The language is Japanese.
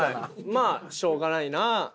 まあしょうがないなあ。